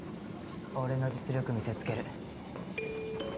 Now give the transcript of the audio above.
俺の実力見せつける。